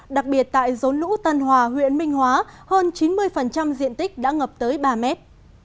đặc biệt tại rốn lũ tân hòa huyện minh hóa hơn chín mươi diện tích đã ngập tới ba mét